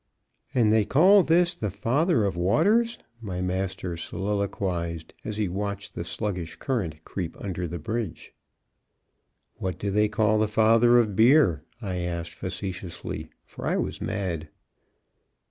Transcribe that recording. "And they call this the 'Father of Waters,'" my master soliloquized, as he watched the sluggish current creep under the bridge. "What do they call the father of beer?" I asked, facetiously, for I was mad.